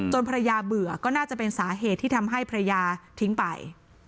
ภรรยาเบื่อก็น่าจะเป็นสาเหตุที่ทำให้ภรรยาทิ้งไป